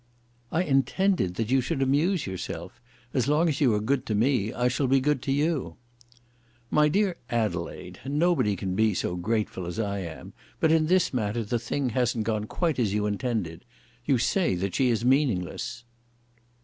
"I intended that you should amuse yourself. As long as you are good to me, I shall be good to you." "My dear Adelaide, nobody can be so grateful as I am. But in this matter the thing hasn't gone quite as you intended. You say that she is meaningless."